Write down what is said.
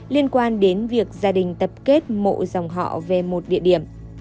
liên quan đến việc gia đình tập kết mộ dòng họ về một địa điểm